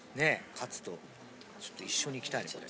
カツとちょっと一緒にいきたいですよね。